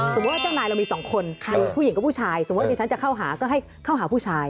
ว่าเจ้านายเรามีสองคนผู้หญิงกับผู้ชายสมมุติฉันจะเข้าหาก็ให้เข้าหาผู้ชาย